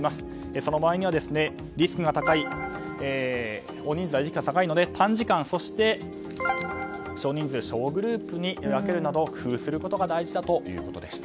その場合には大人数はリスクが高いので短時間そして少人数小グループに分けるなど工夫することが大事だということでした。